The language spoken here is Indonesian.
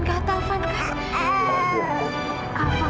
kava kava janganlah sayang